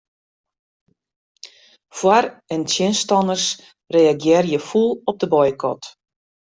Foar- en tsjinstanners reagearje fûl op de boykot.